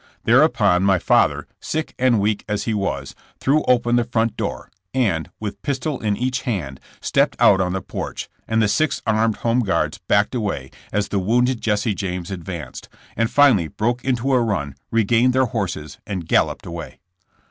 Thereupon my father, sick and weak as he was, threw open the front door, and, with pistol in each hand stepped out on the porch, and the six armed Home Guards backed away as the wounded Jesse James advanced, and finally broke into a run, re gained their horses and galloped away.